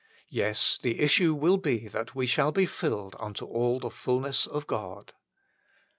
Yes ; the issue will be that we shall be " filled unto all the fulness of God."